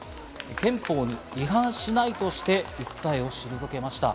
憲法に違反しないとして訴えを退けました。